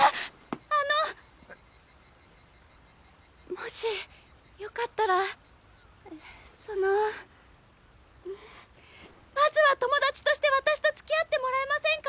もしよかったらそのまずは友達として私とつきあってもらえませんか？